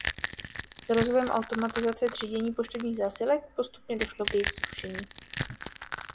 S rozvojem automatizace třídění poštovních zásilek postupně došlo k jejich zrušení.